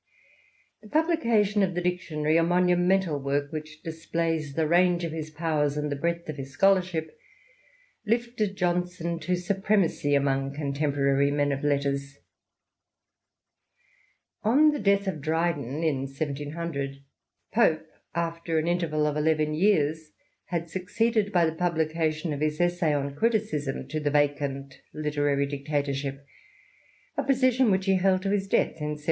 The publication of the Dictionary — a monumental work which displays the range of his powers and the breadth of his scholaiship— lifted Johnson to supremacy amongst con temporary men of letters. On the death of Dryden, in 1700, Pope, after an interval of eleven years, had succeeded, by the publication of his Essay on Criticism^ to the vacant literary dictatorship, a position which he held to his death in 1744.